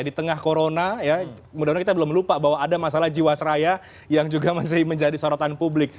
di tengah corona ya mudah mudahan kita belum lupa bahwa ada masalah jiwasraya yang juga masih menjadi sorotan publik